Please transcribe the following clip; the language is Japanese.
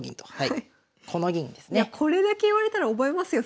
いやこれだけ言われたら覚えますよ